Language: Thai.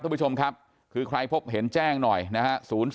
คุณผู้ชมครับคือใครพบเห็นแจ้งหน่อยนะฮะ